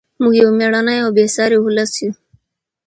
موږ یو مېړنی او بې ساري ولس یو.